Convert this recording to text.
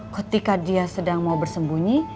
ketika dia sedang mau bersembunyi